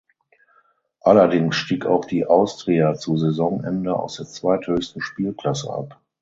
Allerdings stieg auch die Austria zu Saisonende aus der zweithöchsten Spielklasse ab.